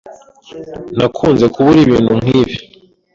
Ntakunze kubura ibintu nkibi